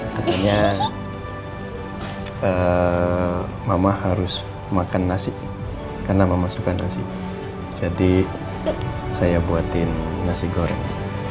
katanya hai eh mama harus makan nasi karena mau masukkan nasi jadi saya buatin nasi goreng